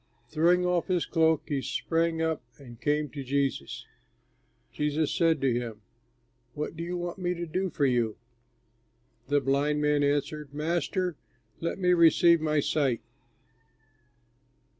Throwing off his cloak, he sprang up and came to Jesus. Jesus said to him, "What do you want me to do for you?" The blind man answered, "Master, let me receive my sight."